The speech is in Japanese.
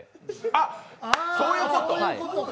あ、そういうこと？